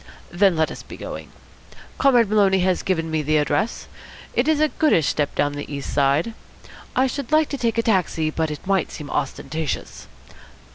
Then let us be going. Comrade Maloney has given me the address. It is a goodish step down on the East side. I should like to take a taxi, but it might seem ostentatious.